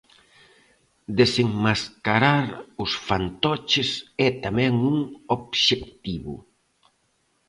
Desenmascarar os fantoches é tamén un obxectivo.